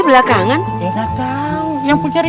ini kan yayasan yang kecacat